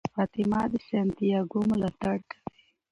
فاطمه د سانتیاګو ملاتړ کوي.